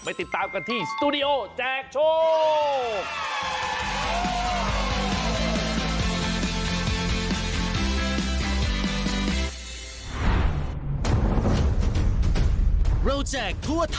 ติดตามกันที่สตูดิโอแจกโชค